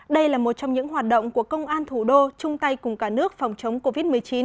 đây là một trong những hoạt động của công an thủ đô chung tay cùng cả nước phòng chống covid một mươi chín